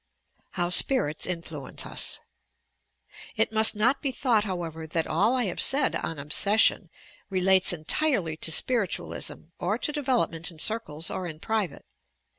HOW "SPIHITS" INFLUENCE US It must not be thought, however, that all I have said on obsession relates entirely to Spiritualism or to develop ment in circles or in private.